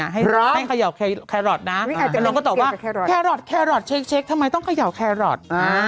ให้รอให้เขย่าแครอทนะน้องก็ตอบว่าแครอทแครอทเช็คทำไมต้องเขย่าแครอท